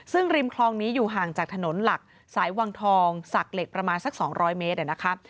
ซึ่งริมคลองนี้อยู่ห่างจากถนนหลักสายวังทองสักเหล็กประมาณสัก๒๐๐เมตรนะครับ